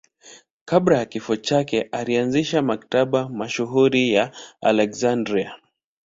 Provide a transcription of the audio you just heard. Kabla ya kifo chake alianzisha Maktaba mashuhuri ya Aleksandria.